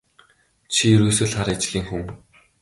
Чи ерөөсөө л хар ажлын хүн.